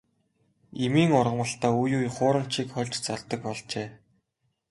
Эмийн ургамалдаа үе үе хуурамчийг хольж зардаг болжээ.